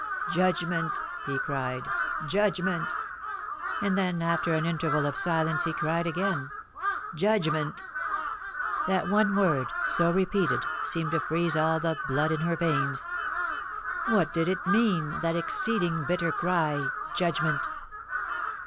" Judgment !" he cried, " judgment !" and then, after an interval of silence, he cried again, " judgment !" That one word, so repeated, seemed to freeze all the blood in her veins. What did it mean, that exceeding bitter cry. "Judgment!"